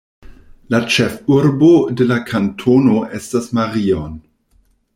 La ĉefurbo de la kantono estas Marion.